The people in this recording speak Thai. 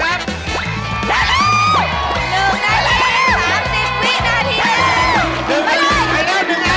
ตัดอย่างเดียวนะคะ